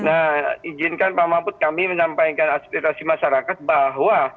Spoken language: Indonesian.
nah izinkan pak mahfud kami menyampaikan aspirasi masyarakat bahwa